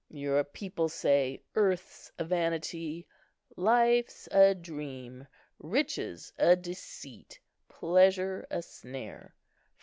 Your people say, 'Earth's a vanity, life's a dream, riches a deceit, pleasure a snare.